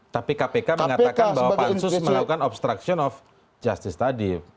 tapi kpk mengatakan bahwa pansus melakukan obstruction of justice tadi